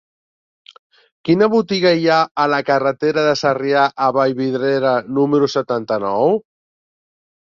Quina botiga hi ha a la carretera de Sarrià a Vallvidrera número setanta-nou?